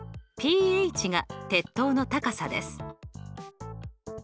ＰＨが鉄塔の高さです。